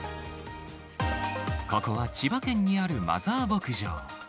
ここは千葉県にあるマザー牧場。